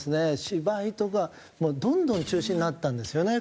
芝居とかどんどん中止になったんですよね